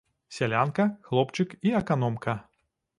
Сялянка, хлопчык і аканомка.